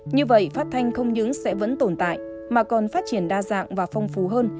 như vậy phát thanh không những sẽ vẫn tồn tại mà còn phát triển đa dạng và phong phú hơn